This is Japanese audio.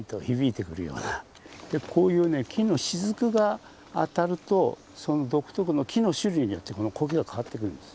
こういうね木の滴が当たるとその独特の木の種類によってこの苔が変わってくるんです。